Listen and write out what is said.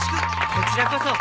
こちらこそ。